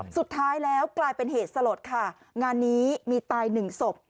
สุดท้ายแล้วกลายเป็นเหตุสลดค่ะงานนี้มีตายหนึ่งศพ